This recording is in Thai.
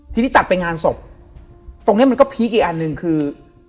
ทีนี้ตัดไปงานศพตรงเนี้ยมันก็พีคอีกอันหนึ่งคือ